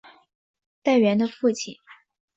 戴渊的父亲。